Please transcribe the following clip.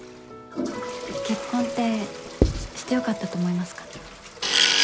結婚ってしてよかったと思いますか？